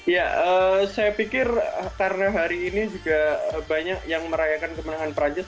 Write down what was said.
ya saya pikir karena hari ini juga banyak yang merayakan kemenangan perancis